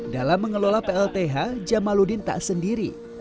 dalam mengelola plth jamaludin tak sendiri